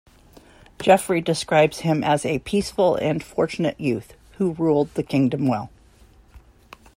Geoffrey describes him as a "peaceful and fortunate youth, who ruled the kingdom well".